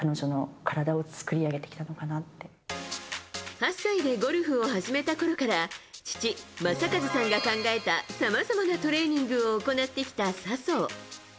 ８歳でゴルフを始めたころから父・正和さんが考えたさまざまなトレーニングを行ってきた笹生。